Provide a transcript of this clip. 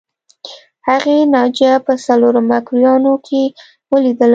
هغې ناجیه په څلورم مکروریانو کې ولیدله